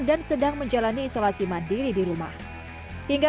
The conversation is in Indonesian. kami siang untuk penerbaan untuk lukin ganas keselamatan dengan mati ini